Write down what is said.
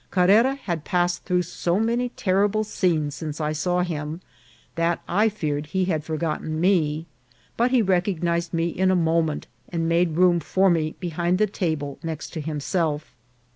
Carrera had passed through so many terrible scenes since I saw him, that I feared he had forgotten me ; but he recognised me in a moment, and made room for me behind the table next to himself.